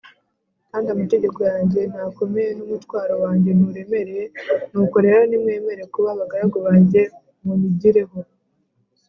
Kandi amategeko yanjye ntakomeye n’umutwaro wanjye nturemereye nuko rero nimwemere kuba abagaragu banjye munyigireho.